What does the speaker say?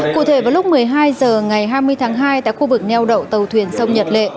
cụ thể vào lúc một mươi hai h ngày hai mươi tháng hai tại khu vực neo đậu tàu thuyền sông nhật lệ